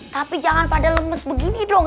tapi jangan pada lemes begini dong